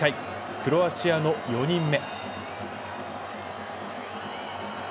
クロアチアの４人目。